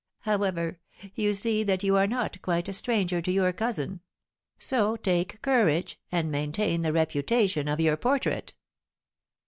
However, you see that you are not quite a stranger to your cousin; so take courage, and maintain the reputation of your portrait."